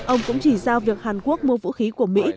ông cũng chỉ giao việc hàn quốc mua vũ khí của mỹ